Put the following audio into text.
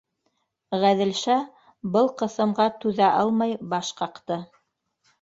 Ғәҙелша, был ҡыҫымға түҙә алмай, баш ҡаҡты.